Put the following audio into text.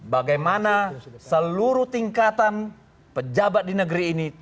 bagaimana seluruh tingkatan pejabat di negeri ini